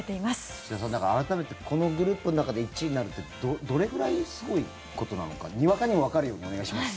土田さん、だから改めてこのグループの中で１位になるってどれぐらいすごいことなのかにわかにもわかるようにお願いします。